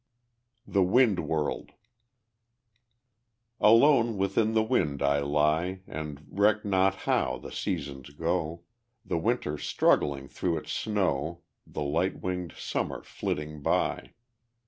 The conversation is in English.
The Wind World Alone within the wind I lie, And reck not how the seasons go; The winter struggling through its snow, The light winged summer flitting by.